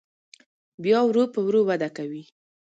بیا ورو په ورو وده کوي.